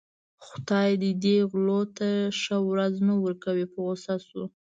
خدای دې دې غلو ته ښه ورځ نه ورکوي په غوسه شو.